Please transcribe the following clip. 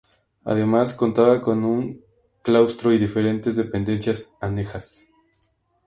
Además, contaba con un claustro y diferentes dependencias anejas.